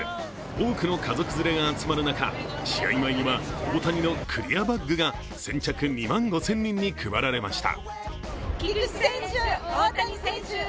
多くの家族連れが集まる中、試合前には大谷のクリアバッグが先着２万５０００人に配られました。